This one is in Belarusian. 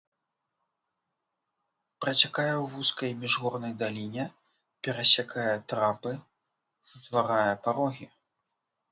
Працякае ў вузкай міжгорнай даліне, перасякае трапы, утварае парогі.